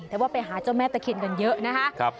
แต่ว่าไปหาเจ้าแม่ตะเคียนกันเยอะนะคะ